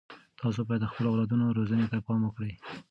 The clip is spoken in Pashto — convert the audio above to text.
تاسو باید د خپلو اولادونو روزنې ته پام وکړئ.